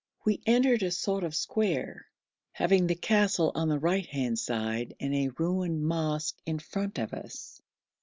We entered a sort of square, having the castle on the right hand side and a ruined mosque in front of us.